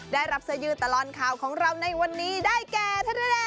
ได้รับสยือตลอดค่าของเราในวันนี้ได้แก่